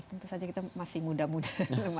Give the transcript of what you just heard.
tentu saja kita masih muda muda